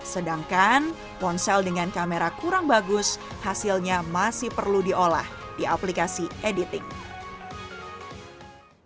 sedangkan ponsel dengan kamera kurang bagus hasilnya masih perlu diolah di aplikasi editing